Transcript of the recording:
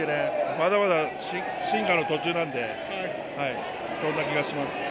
まだまだ進化の途中なんでそんな気がします。